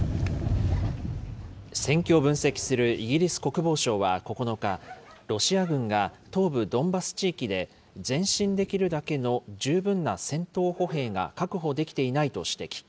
戦況を分析するイギリス国防省は９日、ロシア軍が東部ドンバス地域で前進できるだけの十分な戦闘歩兵が確保できていないと指摘。